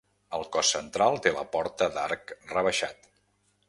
Al cos central té la porta d'arc rebaixat.